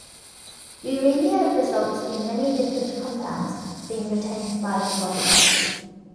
Uremia results in many different compounds being retained by the body.